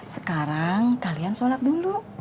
sekarang kalian sholat dulu